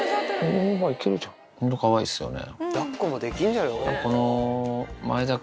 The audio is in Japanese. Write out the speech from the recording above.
ホントかわいいっすよね。